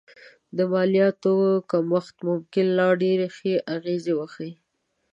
د مالیاتو کمښت ممکن لا ډېرې ښې اغېزې وښيي